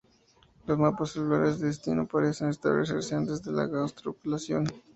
Los mapas celulares de destino parecen establecerse antes de la gastrulación.